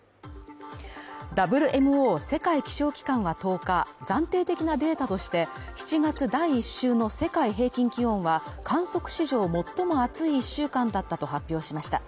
ＷＭＯ＝世界気象機関は１０日、暫定的なデータとして７月第１週の世界平均気温は観測史上最も暑い１週間だったと発表しました。